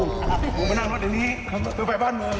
กูมานั่งนักเดี๋ยวนี้ไปบ้านมึง